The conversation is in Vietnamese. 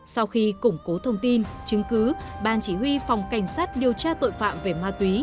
sau khi củng cố thông tin chứng cứ ban chỉ huy phòng cảnh sát điều tra tội phạm về ma túy